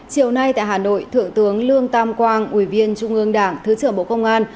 chiều nay tại hà nội thượng tướng lương tam quang ủy viên trung ương đảng thứ trưởng bộ công an